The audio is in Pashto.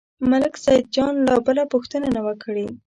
ملک سیدجان لا بله پوښتنه نه وه کړې.